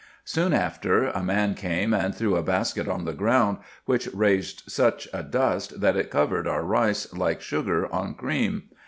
Soon after a man came and threw a basket on the ground, which raised such a dust, that it covered our rice like sugar on cream.